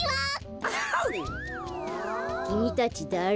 きみたちだれ？